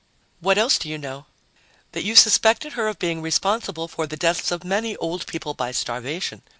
"What else do you know?" "That you suspected her of being responsible for the deaths of many old people by starvation.